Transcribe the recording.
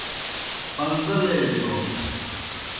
پݩزیلے بِیو۔